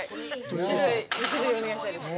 ◆２種類お願いしたいです。